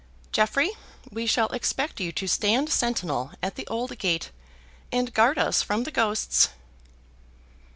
Jeffrey, we shall expect you to stand sentinel at the old gate, and guard us from the ghosts."